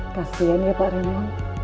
kasian ya pak renan